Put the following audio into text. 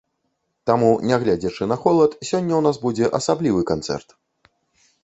Таму, нягледзячы на холад, сёння ў нас будзе асаблівы канцэрт!